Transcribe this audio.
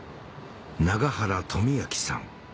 永原富明さん